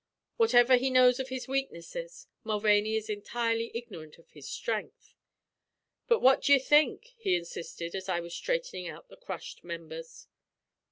Whatever he knows of his weaknesses, Mulvaney is entirely ignorant of his strength. "But what do you think?" he insisted, as I was straightening out the crushed members.